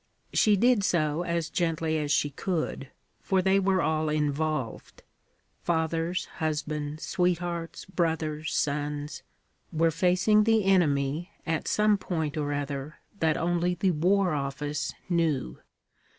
She did so as gently as she could, for they were all involved: fathers, husbands, sweethearts, brothers, sons, were facing the enemy at some point or other that only the War Office knew.